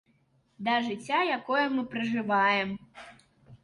Да жыцця, якое мы пражываем.